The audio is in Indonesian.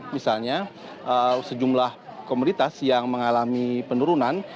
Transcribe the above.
misalnya sejumlah komoditas yang mengalami penurunan